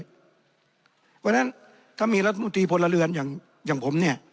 เพราะฉะนั้นถ้ามีรัฐมนตรีพลเรือนอย่างผมเนี่ย